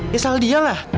bukan salah dia lah